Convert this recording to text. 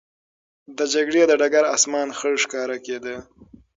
د جګړې د ډګر آسمان خړ ښکاره کېده.